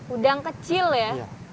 udang kecil ya